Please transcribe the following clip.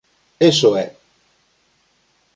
_Eso é.